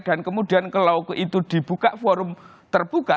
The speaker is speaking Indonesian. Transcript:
dan kemudian kalau itu dibuka forum terbuka